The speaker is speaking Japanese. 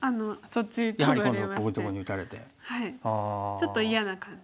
ちょっと嫌な感じ。